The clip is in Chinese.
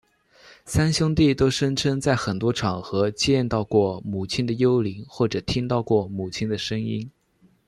三兄弟都声称在很多场合见到过母亲的幽灵或者听到过母亲的声音。